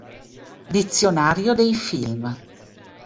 Dizionario dei film".